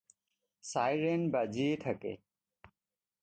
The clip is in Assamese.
চাইৰেণ বাজিয়েই থাকে।